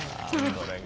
それが。